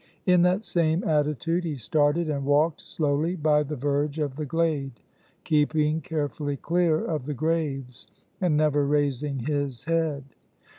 In that same attitude he started and walked slowly by the verge of the glade, keeping carefully clear of the graves, and never raising his head.